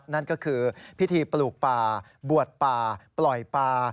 นั่นก็คือพิธีปลูกป่าบวชป่าปล่อยปลา